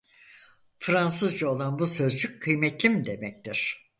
Fransızca olan bu sözcük "kıymetlim" demektir.